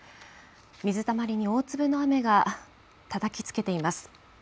水たまりに大粒の雨がたたきつけています。